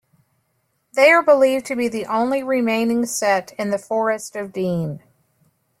They are believed to be the only remaining set in the Forest of Dean.